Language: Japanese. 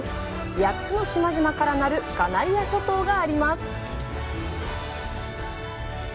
８つの島々からなるカナリア諸島があります。